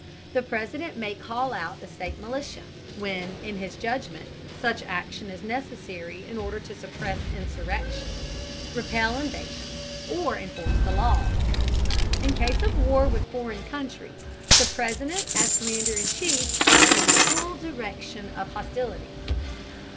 The President may call out the state militia, when in his judgment such action is necessary in order to suppress insurrection, repel invasion, or enforce the laws. In case of war with foreign countries, the President as commander in chief assumes full direction of hostilities.